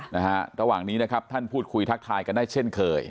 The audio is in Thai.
ในระหว่างนี้ท่านพูดคุยทักทายกันได้เช่นเคย